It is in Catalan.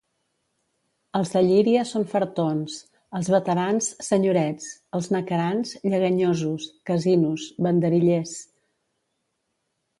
Els de Llíria són fartons, els beterans, senyorets, els naquerans, lleganyosos, Casinos, banderillers.